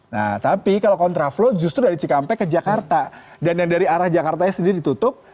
nah tapi kalau kontraflow justru dari cikampek ke jakarta dan yang dari arah jakartanya sendiri ditutup